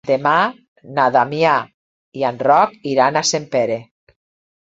Demà na Damià i en Roc iran a Sempere.